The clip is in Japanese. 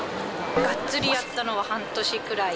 がっつりやったのは、半年くらい。